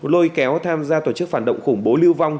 lôi kéo tham gia tổ chức phản động khủng bố lưu vong